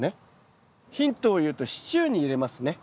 ヒントを言うとシチューに入れますね。